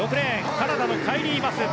カナダのカイリー・マス。